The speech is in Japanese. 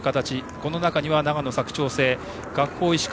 この中には長野・佐久長聖学法石川